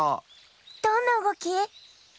どんなうごき？